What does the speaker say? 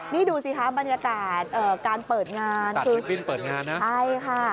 นี่ดูซิค่ะบรรยากาศการเปิดงานคือตัดตัดบิ้นเปิดงานนะ